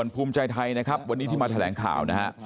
ภูมิใจไทยนะครับวันนี้ที่มาแถลงข่าวนะฮะ